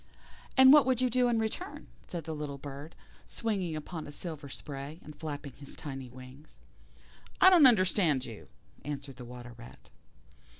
"And what would you do in return?" said the little bird, swinging upon a silver spray, and flapping his tiny wings. "I don't understand you," answered the Water rat.